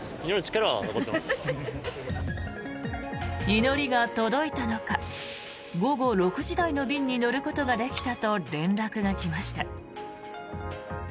祈りが届いたのか午後６時台の便に乗ることができたと連絡が来ました。